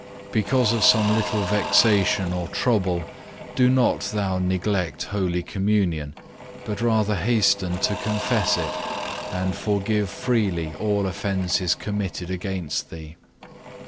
Because of some little vexation or trouble do not thou neglect Holy Communion, but rather hasten to confess it, and forgive freely all offences committed against thee.